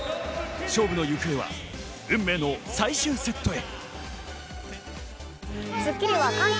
勝負の行方は運命の最終セットへ。